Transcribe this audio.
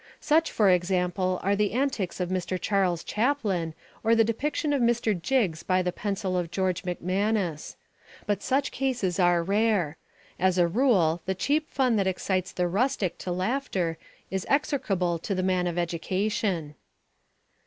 Such, for example, are the antics of Mr. Charles Chaplin or the depiction of Mr. Jiggs by the pencil of George McManus. But such cases are rare. As a rule the cheap fun that excites the rustic to laughter is execrable to the man of education.